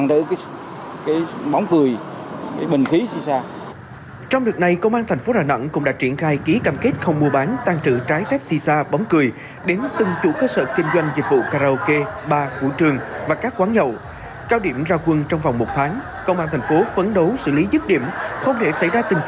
đối với các cơ sở vi phạm tổ liên ngành công an thành phố hà nẵng quyết thu hồi giấy phép về hoạt động kinh doanh theo quy định của pháp luật